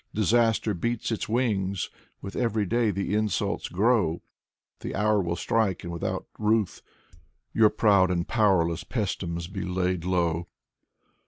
Disaster beats its wings. With every day the insults grow. The; hour will strike, and without ruth Your proud and powerless Paestums be laid low.